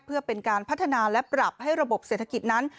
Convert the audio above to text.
เพื่อเป็นการพัฒนาและปรับให้ระบบเศรษฐกิจนั้น